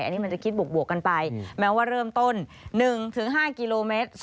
อันนี้มันจะคิดบวกกันไปแม้ว่าเริ่มต้น๑๕กิโลเมตร